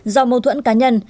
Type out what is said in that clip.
do mâu thuẫn cá nhân